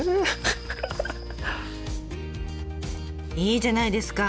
いいじゃないですか。